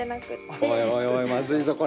おいおいおい、まずいぞ、これ。